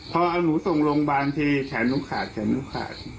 พอเอาหนูส่งโรงพยาบาลทีแขนหนูขาดแขนลูกขาด